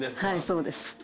はい、そうです。